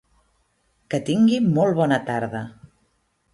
Que tingui molt bona tarda.